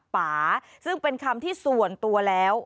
ป่าซึ่งเป็นคำที่ส่วนตัวแล้ว